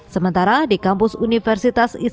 sementara di kampus universitas islam